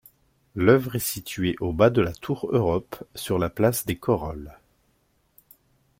L'œuvre est située au bas de la tour Europe, sur la place des Corolles.